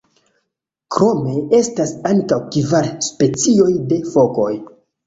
Krome estas ankaŭ kvar specioj de fokoj.